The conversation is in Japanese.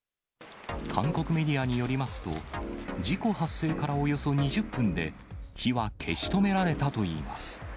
韓国メディアによりますと、事故発生からおよそ２０分で、火は消し止められたといいます。